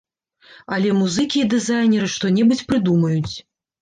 Але музыкі і дызайнеры што-небудзь прыдумаюць.